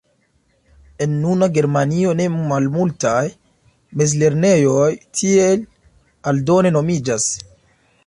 En nuna Germanio ne malmultaj mezlernejoj tiel aldone nomiĝas.